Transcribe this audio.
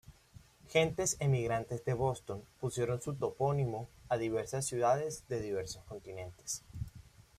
Gentes emigrantes de Boston pusieron su topónimo a diversas ciudades de diversos continentes.